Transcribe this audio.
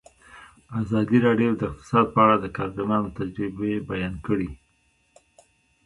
ازادي راډیو د اقتصاد په اړه د کارګرانو تجربې بیان کړي.